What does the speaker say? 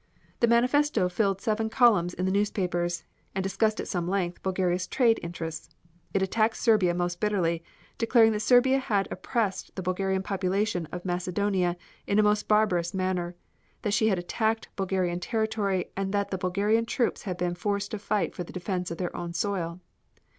The manifesto filled seven columns in the newspapers, and discussed at some length Bulgaria's trade interests. It attacked Serbia most bitterly, declaring that Serbia had oppressed the Bulgarian population of Macedonia in a most barbarous manner; that she had attacked Bulgarian territory and that the Bulgarian troops had been forced to fight for the defense of their own soil.